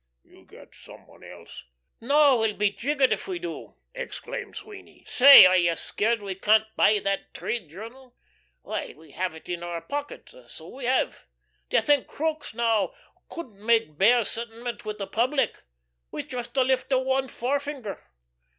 You get some one else." "No, we'll be jiggered if we do," exclaimed Sweeny. "Say, are ye scared we can't buy that trade journal? Why, we have it in our pocket, so we have. D'ye think Crookes, now, couldn't make Bear sentiment with the public, with just the lift o' one forefinger?